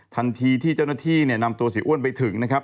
ทันทีที่เจ้าหน้าที่เนี่ยนำตัวเสียอ้วนไปถึงนะครับ